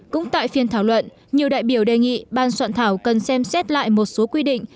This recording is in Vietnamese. cũng tại phiên thảo luận nhiều đại biểu đề nghị ban soạn thảo cần xem xét lại một số quy định